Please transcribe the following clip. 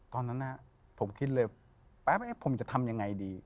ตอนนั้นผมคิดเลยแป๊บผมจะทำยังไงดี